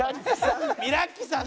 「ミラッキさん」。